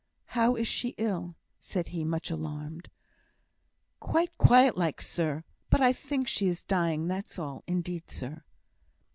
"How is she ill?" said he, much alarmed. "Quite quiet like, sir; but I think she is dying, that's all, indeed, sir!"